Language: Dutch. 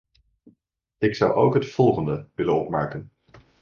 Ik zou ook het volgende willen opmerken.